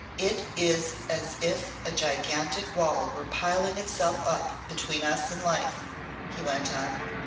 "It is as if a gigantic wall were piling itself up between us and Life," he went on.